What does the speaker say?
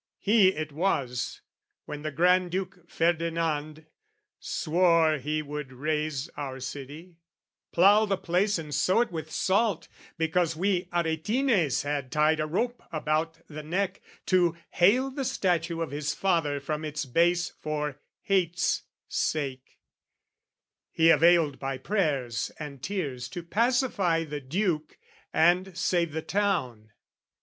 He it was, when the Granduke Ferdinand Swore he would raze our city, plough the place And sow it with salt, because we Aretines Had tied a rope about the neck, to hale The statue of his father from its base For hate's sake, he availed by prayers and tears To pacify the Duke and save the town.